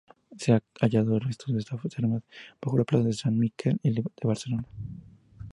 Se han hallado restos de estas termas bajo la plaza Sant Miquel de Barcelona.